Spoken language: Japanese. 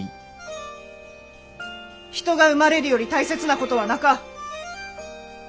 人が産まれるより大切なことはなか。